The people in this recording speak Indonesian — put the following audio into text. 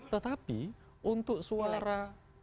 tetapi untuk suara